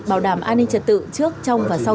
bảo đảm an ninh trật tự trước trong và sau